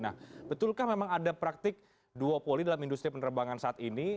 nah betulkah memang ada praktik duopoli dalam industri penerbangan saat ini